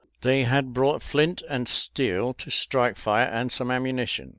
They had brought flint and steel to strike fire, and some ammunition.